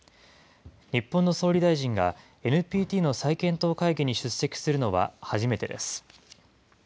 日本の総理大臣が、ＮＰＴの再検討会議に出席するのは初めてです。